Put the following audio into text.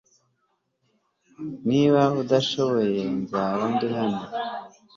Niba udashoboye nzaba ndi hano